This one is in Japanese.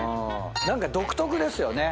何か独特ですよね。